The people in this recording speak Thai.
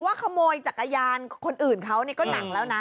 ว่าขโมยจักรยานคนอื่นเขาก็หนักแล้วนะ